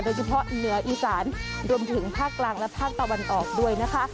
โดยเฉพาะเหนืออีสานรวมถึงภาคกลางและภาคตะวันออกด้วยนะคะ